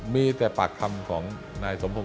มีแต่ปากคำของนายสมพงศ